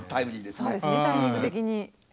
そうですねタイミング的に。